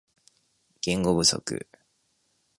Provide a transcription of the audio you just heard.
言語不足